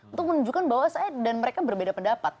untuk menunjukkan bahwa saya dan mereka berbeda pendapat